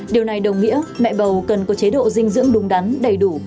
điều này đồng nghĩa mẹ bầu cần có chế độ dinh dưỡng đúng đắn đầy đủ